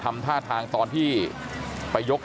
แต่ว่าวินนิสัยดุเสียงดังอะไรเป็นเรื่องปกติอยู่แล้วครับ